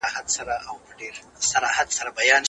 مسواک کارول د شیطان د وسوسو پر وړاندې یو ډال دی.